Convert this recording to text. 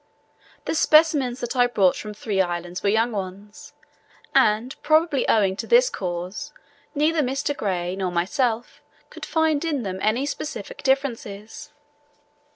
The specimens that I brought from three islands were young ones: and probably owing to this cause neither Mr. Gray nor myself could find in them any specific differences.